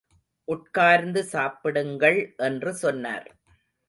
உட்கார்ந்து சாப்பிடுங்கள் என்று சொன்னார்.